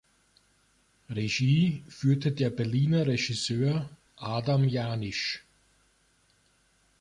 Regie führte der Berliner Regisseur Adam Janisch.